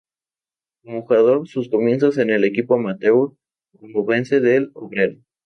Como jugador, sus comienzos en el equipo amateur onubense del Obrera.